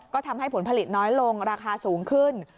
ก็ทำให้ผลผลิตน้อยลงราคาสูงขึ้น